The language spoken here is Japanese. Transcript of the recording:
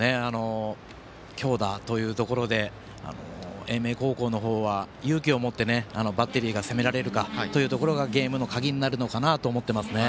強打というところで英明高校の方は、勇気を持ってバッテリーが攻められるかというところがゲームの鍵になるのかなと思っています。